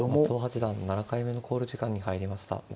松尾八段７回目の考慮時間に入りました。